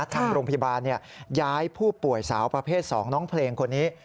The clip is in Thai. ทางโรงพยาบาลย้ายผู้ป่วยสาวประเภท๒น้องเพลงคนนี้